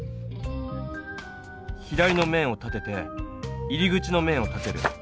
左の面を立てて入り口の面を立てる。